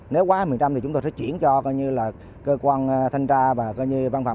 nếu quá hai mươi thì chúng tôi sẽ chuyển cho cơ quan thanh tra và văn phòng kiểm soát để xử lý vi phạm